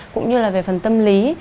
cũng như là về phần tâm lý